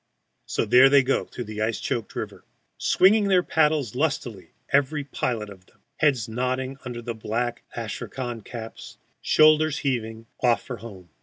So there they go through the ice choked river, swinging their paddles lustily, every pilot of them, heads nodding under black astrakhan caps, shoulders heaving, off for home.